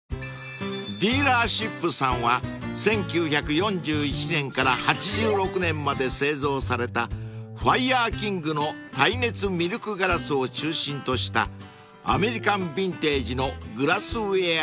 ［ディーラーシップさんは１９４１年から８６年まで製造されたファイヤーキングの耐熱ミルクガラスを中心としたアメリカンビンテージのグラスウエアショップ］